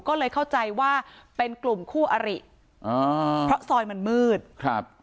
ก็เลยเข้าใจว่าเป็นกลุ่มคู่อริอ่าเพราะซอยมันมืดครับ